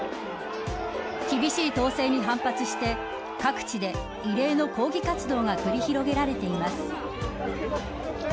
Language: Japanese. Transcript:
厳しい統制に反発して各地で異例の抗議活動が繰り広げられています。